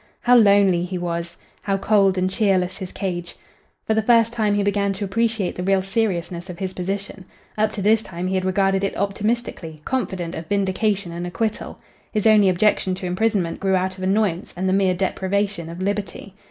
How lonely he was! how cold and cheerless his cage! For the first time he began to appreciate the real seriousness of his position. Up to this time he had regarded it optimistically, confident of vindication and acquittal. His only objection to imprisonment grew out of annoyance and the mere deprivation of liberty.